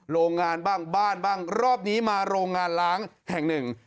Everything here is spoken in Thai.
โรงงานบ้างบ้านบ้างรอบนี้มาโรงงานล้างแห่งหนึ่ง